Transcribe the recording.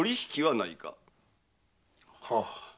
はあ。